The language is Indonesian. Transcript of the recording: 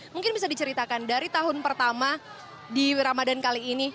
mungkin bisa diceritakan dari tahun pertama di ramadan kali ini